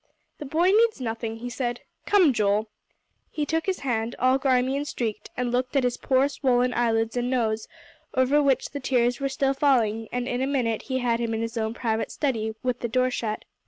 "The boy needs nothing," he said. "Come, Joel." He took his hand, all grimy and streaked, and looked at his poor, swollen eyelids and nose, over which the tears were still falling, and in a minute he had him in his own private study, with the door shut.